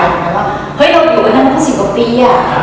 เหมือนว่าเฮ้ยเราอยู่กันตั้งแต่๑๐กว่าปีอ่ะ